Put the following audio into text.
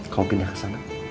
kamu pindah ke sana